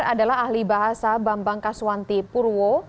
adalah ahli bahasa bambang kaswanti purwo